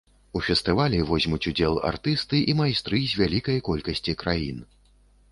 У фестывалі возьмуць удзел артысты і майстры з вялікай колькасці краін.